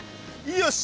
よし！